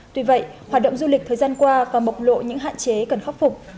tuy vậy hoạt động du lịch thời gian qua còn bộc lộ những hạn chế cần khắc phục